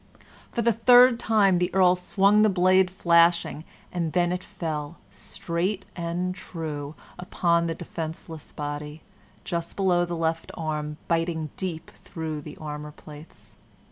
For the third time the Earl swung the blade flashing, and then it fell, straight and true, upon the defenceless body, just below the left arm, biting deep through the armor plates.